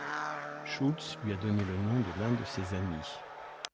Schulz lui a donné le nom de l'un de ses amis.